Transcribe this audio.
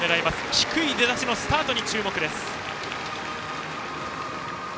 低い出だしのスタートに注目。